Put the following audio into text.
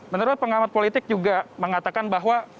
menurut pengamat politik juga mengatakan bahwa